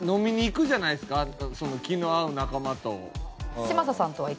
気の合う仲間と。